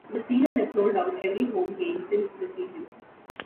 The Steelers have sold out every home game since the season.